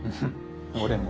俺も。